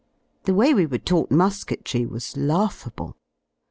The way we were taught musketry was laughable.